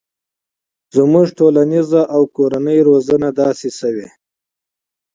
زموږ ټولنیزه او کورنۍ روزنه داسې شوي